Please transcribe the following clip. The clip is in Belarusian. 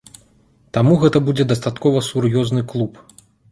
Таму гэта будзе дастаткова сур'ёзны клуб.